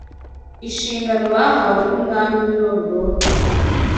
inshingano bahawe n’umwami w’i Babuloni